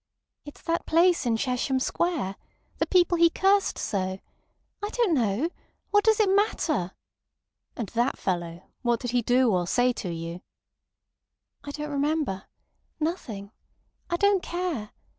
"It's that place in Chesham Square. The people he cursed so. I don't know. What does it matter!" "And that fellow, what did he do or say to you?" "I don't remember. ... Nothing .... I don't care.